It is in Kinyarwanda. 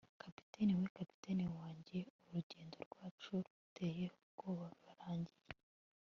Kapiteni we Kapiteni wanjye urugendo rwacu ruteye ubwoba rurarangiye